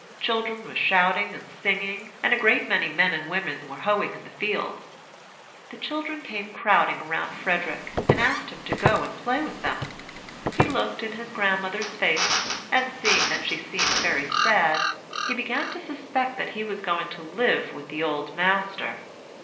Children were shouting and singing, and a great many men and women were hoeing in the fields. The children came crowding round Frederick, and asked him to go and play with them. He looked in his grandmother's face, and seeing that she seemed very sad, he begun to suspect that he was going to live with the "old master."